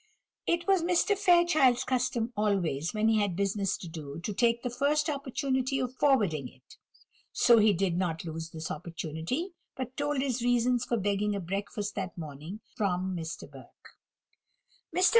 It was Mr. Fairchild's custom always, when he had business to do, to take the first opportunity of forwarding it: so he did not lose this opportunity, but told his reasons for begging a breakfast that morning from Mrs. Burke. Mr.